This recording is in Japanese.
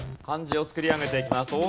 漢字を作り上げていきます。